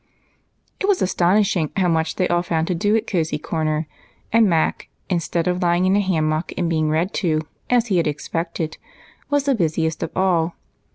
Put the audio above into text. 148 EIGHT COUSINS. It was astonisliing how much they all found to do at Cosey Corner ; and Mac, instead of lying in a ham mock and being read to, as he had expected, was busiest of all.